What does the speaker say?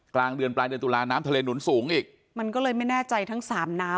กลางเดือนปลายเดือนตุลาน้ำทะเลหนุนสูงอีกมันก็เลยไม่แน่ใจทั้งสามน้ำ